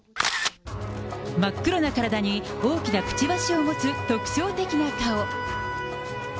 真っ黒な体に大きなくちばしを持つ特徴的な顔。